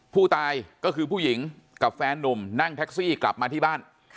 ผู้ตายก็คือผู้หญิงกับแฟนนุ่มนั่งแท็กซี่กลับมาที่บ้าน